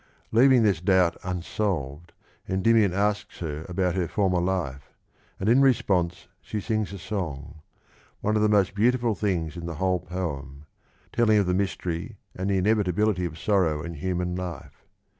Leaving this doubt unsolved Endymion asks her about Srow°*°^ her former life, and in response she sings a song — one of the most beautiful things in the whole poem — telling of the mystery and the inevitability of sorrow in human life.